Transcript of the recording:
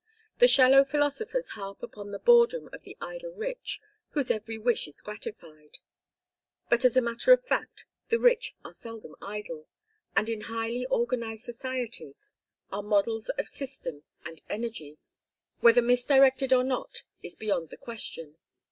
The shallow philosophers harp upon the boredom of the idle rich whose every wish is gratified; but as a matter of fact the rich are seldom idle, and in highly organized societies are models of system and energy; whether misdirected or not, is beyond the question.